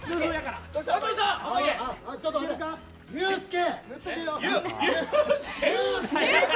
ユースケ。